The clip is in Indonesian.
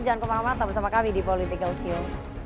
jangan kemana mana tetap bersama kami di political show